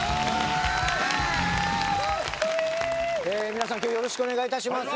皆さん今日はよろしくお願いいたします。